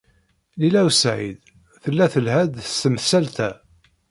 Lila u Saɛid tella telha-d s temsalt-a.